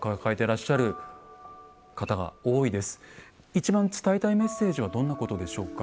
一番伝えたいメッセージはどんなことでしょうか？